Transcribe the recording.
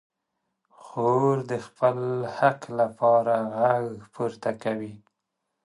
خور د خپل حق لپاره غږ پورته کوي.